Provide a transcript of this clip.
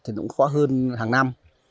thì cũng khó hơn hàng năm